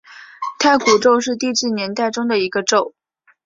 太古宙是地质年代中的一个宙。